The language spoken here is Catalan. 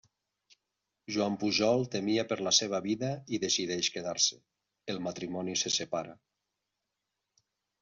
Joan Pujol temia per la seva vida i decideix quedar-se; el matrimoni se separa.